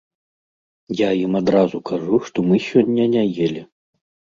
Я ім адразу кажу, што мы сёння не елі.